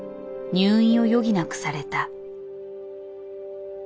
入院を余儀なくされた。